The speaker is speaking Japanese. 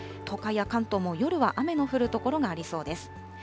東海や関東も夜は雨の降る所がありそうです。